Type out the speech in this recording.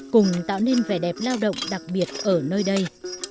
cùng tạo nên vẻ đẹp lao động đặc biệt ở nơi đây